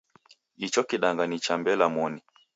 Icho kidanga ni cha Mbela moni.